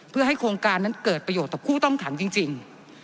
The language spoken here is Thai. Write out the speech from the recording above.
เพื่อให้โครงการนั้นเกิดประโยชน์ต่อผู้ต้องขังจริง